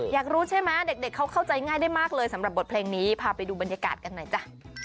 อยากรู้ใช่ไหมเด็กเขาเข้าใจง่ายได้มากเลยสำหรับบทเพลงนี้พาไปดูบรรยากาศกันหน่อยจ้ะ